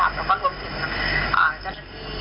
แล้วก็รวมถึงเจ้าหน้าที่นาหารนะคะ